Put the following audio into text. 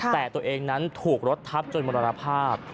แต่ตัวเองนั้นถูกรถทับจนมรณภาพ